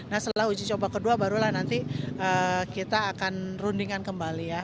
nah setelah uji coba kedua barulah nanti kita akan rundingkan kembali ya